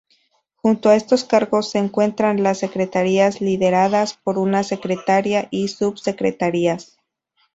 Junto a estos cargos se encuentran las Secretarias, lideradas por una Secretaria y Sub-secretarias.